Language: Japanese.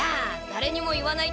だれにも言わない。